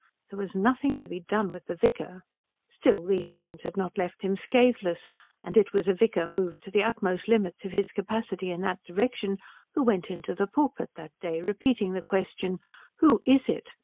There was nothing to be done with the vicar. Still these scenes had not left him scathless, and it was a vicar moved to the utmost limits of his capacity in that direction who went into the pulpit that day repeating the question "Who is it?"